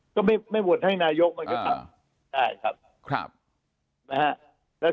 ก็ไม่ววดให้นายกมาก็อย่างเงียบ